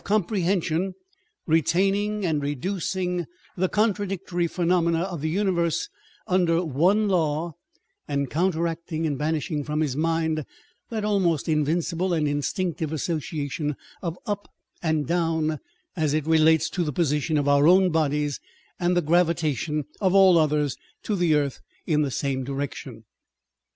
prehension, retaining and reducing the contradictory phenomena of the universe under one law, and counter acting and banishing from his mind that almost invincible and instinctive association of up and down as it relates to the position of our own bodies and the gravitation of all others to the earth in the same direction.